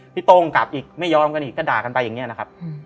โต้งกลับอีกไม่ยอมกันอีกก็ด่ากันไปอย่างนี้นะครับ